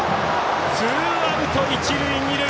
ツーアウト、一塁二塁。